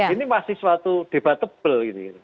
ini masih suatu debatable